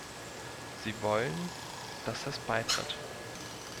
Sie wollen, dass es beitritt.